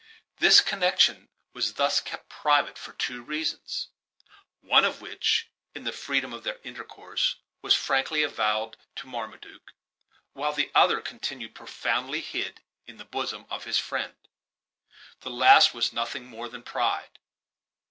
This connection was thus kept private for two reasons, one of which, in the freedom of their intercourse, was frankly avowed to Marmaduke, while the other continued profoundly hid in the bosom of his friend, The last was nothing more than pride.